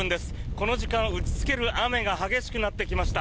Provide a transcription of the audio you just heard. この時間、打ちつける雨が激しくなってきました。